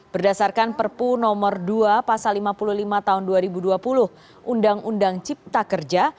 berdasarkan perpu nomor dua pasal lima puluh lima tahun dua ribu dua puluh undang undang cipta kerja